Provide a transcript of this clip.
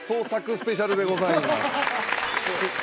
スペシャルでございます